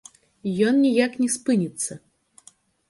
Ён ніяк не спыніцца.